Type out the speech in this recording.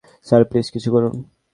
Sir, please কিছু করুন।